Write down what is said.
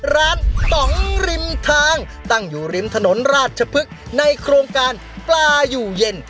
ป๋องริมทางตั้งอยู่ริมถนนราชพฤกษ์ในโครงการปลาอยู่เย็น